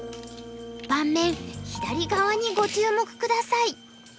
盤面左側にご注目下さい。